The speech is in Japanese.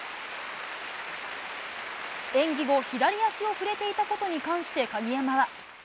演技後、左足を触れていたことに関して鍵山は。